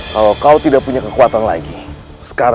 mereka bisa menempati tempat disana